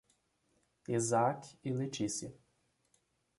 Isaac e Letícia